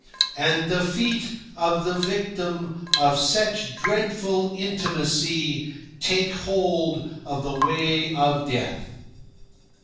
And the feet of the victim of such dreadful intimacy take hold of the way of death.